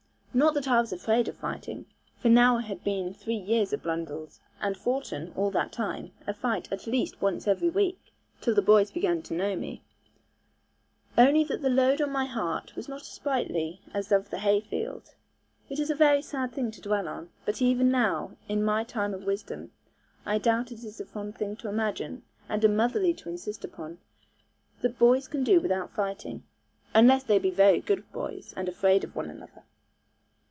Not that I was afraid of fighting, for now I had been three years at Blundell's, and foughten, all that time, a fight at least once every week, till the boys began to know me; only that the load on my heart was not sprightly as of the hay field. It is a very sad thing to dwell on; but even now, in my time of wisdom, I doubt it is a fond thing to imagine, and a motherly to insist upon, that boys can do without fighting. Unless they be very good boys, and afraid of one another.